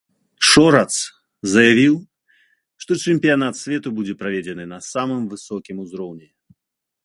Шорац заявіў, што чэмпіянат свету будзе праведзены на самым высокім узроўні.